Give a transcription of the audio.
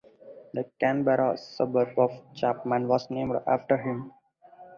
The Canberra suburb of Chapman was named after him.